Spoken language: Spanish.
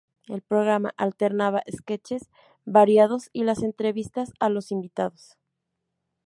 El programa alternaba sketches variados y las entrevistas a los invitados.